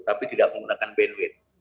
tapi tidak menggunakan bandwidth